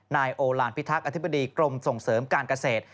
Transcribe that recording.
นายโอลานพิทักษ์อธิบดีกรมส่งเสริมการเกษตร